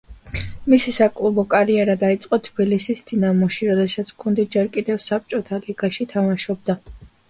მისი საკლუბო კარიერა დაიწყო თბილისის „დინამოში“, როდესაც გუნდი ჯერ კიდევ საბჭოთა ლიგაში თამაშობდა.